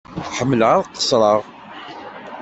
Ḥemmleɣ ad qessreɣ.